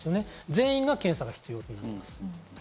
全員が検査が必要となります。